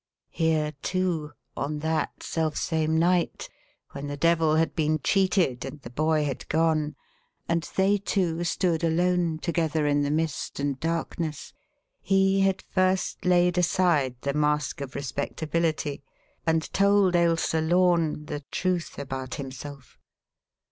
Here, too on that selfsame night, when the devil had been cheated, and the boy had gone, and they two stood alone together in the mist and darkness he had first laid aside the mask of respectability and told Ailsa Lorne the truth about himself!